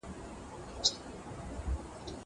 زه پرون د کتابتوننۍ سره خبري وکړې.